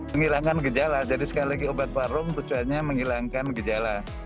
menghilangkan gejala jadi sekali lagi obat warung tujuannya menghilangkan gejala